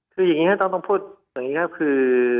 คืออย่างนี้ก็ต้องพูดอย่างนี้ก็คือ